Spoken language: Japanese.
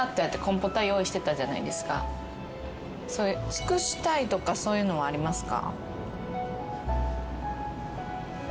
尽くしたいとかそういうのはありますか？